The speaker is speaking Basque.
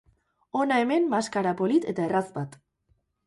Hona hemen maskara polit eta erraz bat.